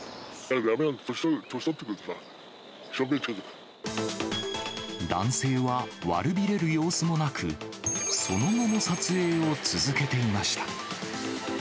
だめなんだよ、年取ってくる男性は悪びれる様子もなく、その後も撮影を続けていました。